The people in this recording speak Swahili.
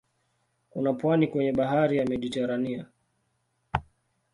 Kuna pwani kwenye bahari ya Mediteranea.